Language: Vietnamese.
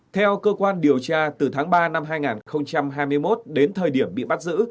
theo cơ quan điều tra từ tháng ba năm hai nghìn hai mươi một đến thời điểm bị bắt giữ